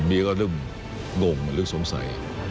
เมียก็เริ่มงงเริ่มสงสัย